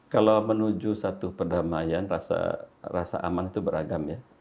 kalau menuju satu perdamaian rasa aman itu beragam ya